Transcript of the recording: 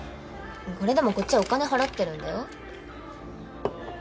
これでもこっちはお金払ってるんだよ？